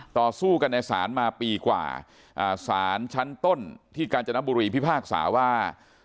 ต่อสู้กันในศาลมาปีกว่าสารชั้นต้นที่กาญจนบุรีพิพากษาว่า